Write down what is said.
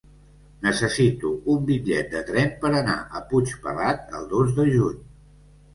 Necessito un bitllet de tren per anar a Puigpelat el dos de juny.